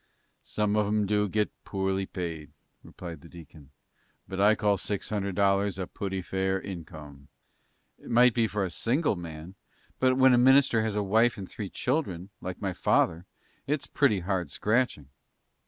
"Some of 'em do get poorly paid," replied the deacon; "but I call six hundred dollars a pooty fair income." "It might be for a single man; but when a minister has a wife and three children, like my father, it's pretty hard scratching."